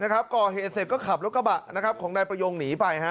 ก่อเหตุเสร็จก็ขับรถกระบะนะครับของนายประยงหนีไป